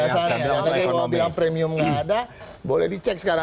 kalau premium nggak ada boleh dicek sekarang